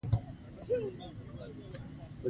چینې تور رنګه، اوبه بې رنګه